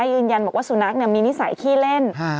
ยืนยันบอกว่าสุนัขมีนิสัยขี้เล่น